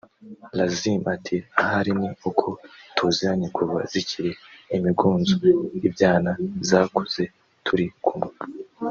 Lazmi ati “Ahari ni uko tuziranye kuva zikiri imigunzu(ibyana) zakuze turi kumwe”